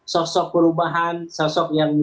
sosok perubahan sosok yang